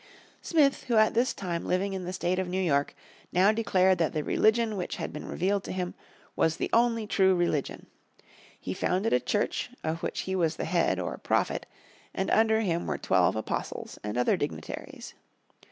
Smith, who was at this time living in the State of New York, now declared that the religion which had been revealed to him was the only true religion. He founded a Church of which he was head or "prophet" and under him were twelve apostles and other dignitaries.